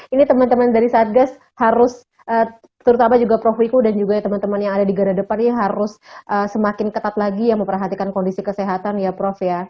ini teman teman dari satgas harus terutama juga prof riku dan juga teman teman yang ada di gara depan ini harus semakin ketat lagi ya memperhatikan kondisi kesehatan ya prof ya